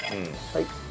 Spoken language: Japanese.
はい。